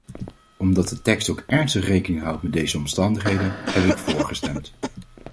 Omdat de tekst ook ernstig rekening houdt met deze omstandigheden, heb ik vóór gestemd.